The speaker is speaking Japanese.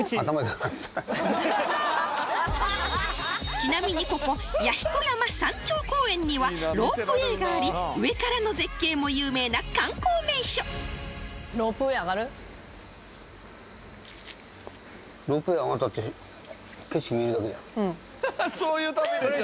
ちなみにここ弥彦山山頂公園にはロープウェイがあり上からの絶景も有名な観光名所うんそういう旅でしょ！